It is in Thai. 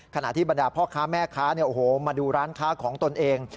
ขณะที่บรรดาพ่อค้าแม่ค้ามาดูร้านค้าของตนเอง